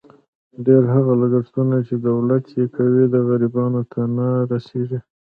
ډېر هغه لګښتونه، چې دولت یې کوي، غریبانو ته نه رسېږي.